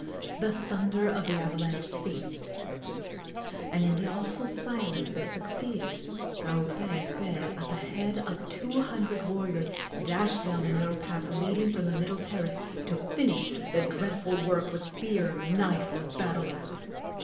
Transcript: The thunder of the avalanche ceased, and in the awful silence that succeeded Kaupeepee, at the head of two hundred warriors, dashed down the narrow path leading from the middle terrace to finish the dreadful work with spear, knife and battle axe.